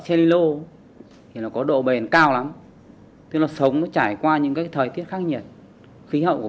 selilo thì nó có độ bền cao lắm tức là sống nó trải qua những cái thời tiết khắc nhiệt khí hậu của